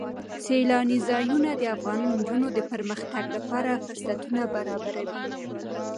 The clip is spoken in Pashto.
سیلانی ځایونه د افغان نجونو د پرمختګ لپاره فرصتونه برابروي.